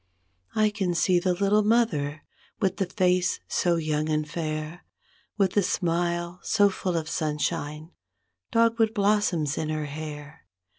I can see the little mother, with the face so young and fair. With the smile so full of sunshine, dogwood blossoms in her hair.